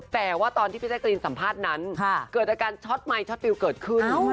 แต่ว่าตอนที่พี่แจ๊กรีนสัมภาษณ์นั้นเกิดอาการช็อตไมค็อตฟิลเกิดขึ้น